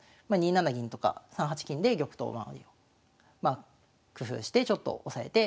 ２七銀とか３八金で玉頭をまあねまあ工夫してちょっと押さえて。